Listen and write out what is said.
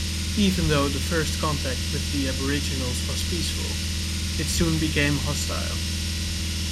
Even though the first contact with the aboriginals was peaceful, it soon became hostile.